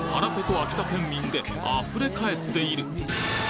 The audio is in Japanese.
秋田県民で溢れかえっている！